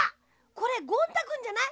これゴン太くんじゃない？